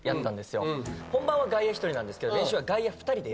本番は外野１人なんですけど練習は。